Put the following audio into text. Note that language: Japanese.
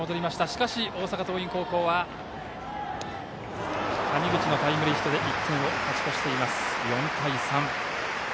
しかし、大阪桐蔭高校は谷口のタイムリーヒットで１点を勝ち越しています、４対３。